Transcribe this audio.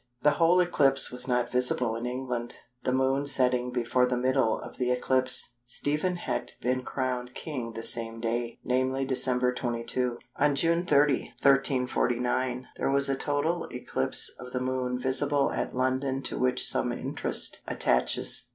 The whole eclipse was not visible in England, the Moon setting before the middle of the eclipse. Stephen had been crowned king the same day, namely Dec. 22. On June 30, 1349, there was a total eclipse of the Moon visible at London to which some interest attaches.